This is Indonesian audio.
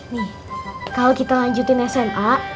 nih kalau kita lanjutin sma